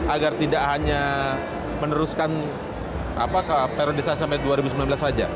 agar tidak hanya meneruskan periodisasi sampai dua ribu sembilan belas saja